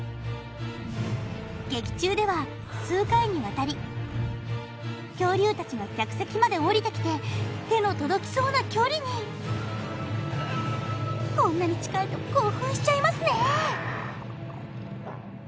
劇中では数回にわたり恐竜達が客席まで降りてきて手の届きそうな距離にこんなに近いと興奮しちゃいますね